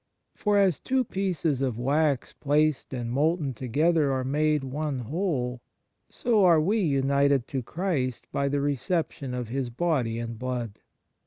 For as two pieces of wax placed and molten together are made one whole, so are we united to Christ by the reception of His body and blood."